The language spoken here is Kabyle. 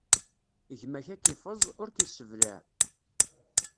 Gma-k ad k-iffeẓ, ur k-isseblaɛ.